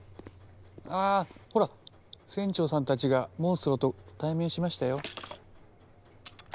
あほら船長さんたちがモンストロと対面しましたよ。